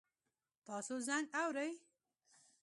تاسو زنګ اورئ؟